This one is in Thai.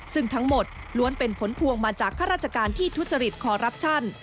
ซึ่งทั้งหมดล้วนเป็นผลพวงมาจากข้าราชการที่ทุจริตคอรับชัน